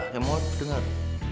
ya moh dengar